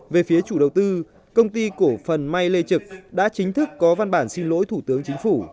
về phía chủ đầu tư công ty cổ phần may lê trực đã chính thức có văn bản xin lỗi thủ tướng chính phủ